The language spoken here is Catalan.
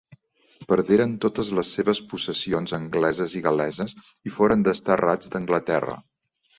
Perderen totes les seves possessions angleses i gal·leses, i foren desterrats d'Anglaterra.